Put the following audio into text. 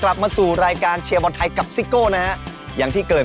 กลับมาสู่รายการวะท้ายกับสิโก้นะฮะอย่างที่เกิด